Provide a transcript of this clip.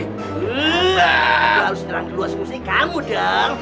aku harus jelang di luar musik kamu dong